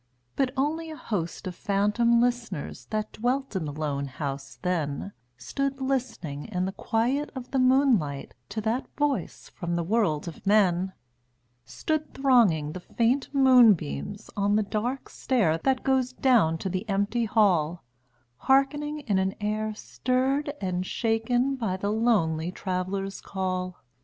But only a host of phantom listeners That dwelt in the lone house then Stood listening in the quiet of the moonlight To that voice from the world of men: Stood thronging the faint moonbeams on the dark stair That goes down to the empty hall, Hearkening in an air stirred and shaken By the lonely Traveler's call.